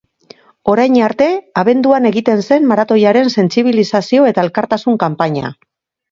Orain arte abenduan egiten zen maratoiaren sentsibilizazio eta elkartasun kanpaina.